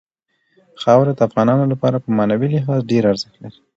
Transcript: خاوره د افغانانو لپاره په معنوي لحاظ ډېر ارزښت لري.